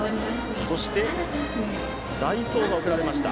そして、代走が送られました。